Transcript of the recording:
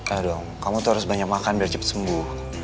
ayo dong kamu tuh harus banyak makan biar cepat sembuh